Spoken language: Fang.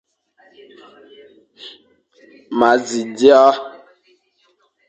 Ma zi dia.